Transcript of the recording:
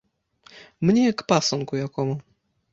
Мне як пасынку якому!